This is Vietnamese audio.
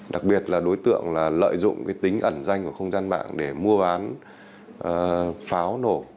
đặc biệt là đối tượng lợi dụng tính ẩn danh của không gian mạng để mua bán pháo nổ